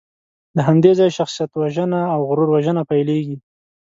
له همدې ځایه شخصیتوژنه او غرور وژنه پیلېږي.